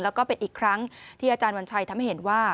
แล้วก็เป็นอีกครั้งที่อาจารย์วัญชัยทำให้เห็นว่า